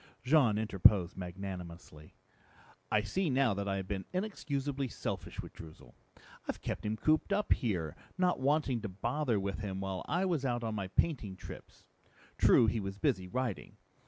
Jean interposed magnanimously, "I see now that I have been inexcusably selfish with Droozle. I've kept him cooped up here, not wanting to bother with him while I was out on my painting trips. True, he was busy writing.